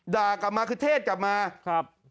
ด่ากลับมาคือเทศกลับมาครับ